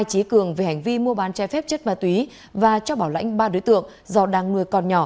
hành vi mua bán trái phép chất ma túy và cho bảo lãnh ba đối tượng do đang nuôi con nhỏ